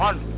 ya udah deh